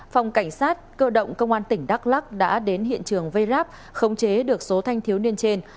phòng cảnh sát cơ động công an tỉnh đắk lắc đã đến hiện trường vây ráp khống chế được số thanh thiếu niên trên